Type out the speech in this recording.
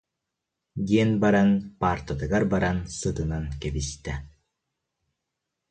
диэн баран паартатыгар баран сытынан кэбистэ